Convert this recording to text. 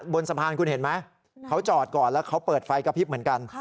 บนสะพานคุณเห็นไหมเขาจอดก่อนแล้วเขาเปิดไฟกระพริบเหมือนกัน